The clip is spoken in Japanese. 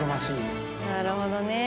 なるほどね。